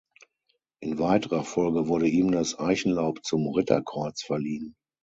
In weiterer Folge wurde ihm das Eichenlaub zum Ritterkreuz verliehen.